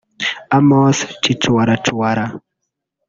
Amosse Chicualacuala